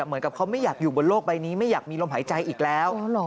เหมือนกับเขาไม่อยากอยู่บนโลกใบนี้ไม่อยากมีลมหายใจอีกแล้ว